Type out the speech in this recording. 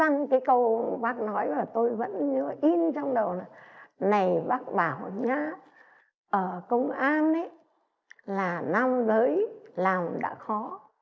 nhớ in trong đầu là này bác bảo nhá ở công an là năm tới làm đã khó